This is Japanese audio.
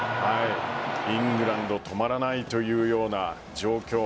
イングランド止まらないというような状況。